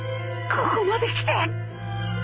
ここまで来て！